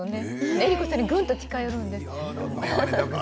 江里子さんにぐっと近づくんです。